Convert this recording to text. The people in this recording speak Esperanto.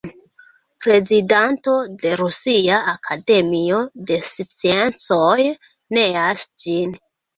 Prezidanto de Rusia Akademio de Sciencoj neas ĝin.